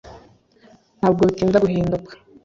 Ntabwo bitinda guhinduka